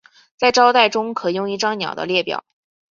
在招待中可用一张鸟的列表。